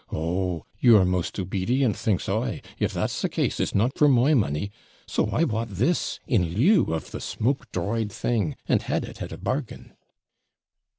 Oh! your most obedient, thinks I! if that's the case, it's not for my money; so I bought this, in lieu of the smoke dried thing, and had it a bargain.'